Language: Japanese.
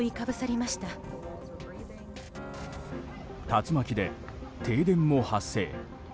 竜巻で停電も発生。